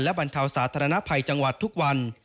บรรเทาสาธารณภัยจังหวัดทุกวัน